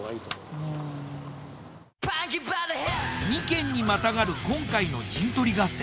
２県にまたがる今回の陣取り合戦。